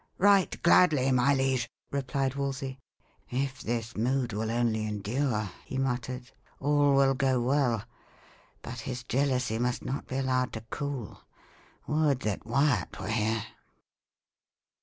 "Right gladly, my liege," replied Wolsey. "If this mood will only endure," he muttered, "all will go well. But his jealousy must not be allowed to cool. Would that Wyat were here!"